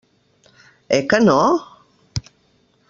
Eh que no?